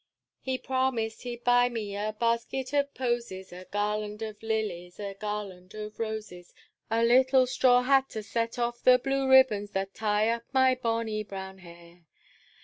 "He promised he'd buy me a basket of posies, A garland of lilies, a garland of roses, A little straw hat to set off the blue ribbons That tie up my bonny brown hair.